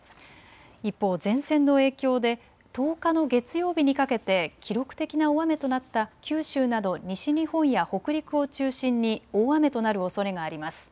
一方、前線の影響で１０日の月曜日にかけて記録的な大雨となった九州など西日本や北陸を中心に大雨となるおそれがあります。